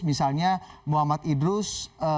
misalnya muhammad idrus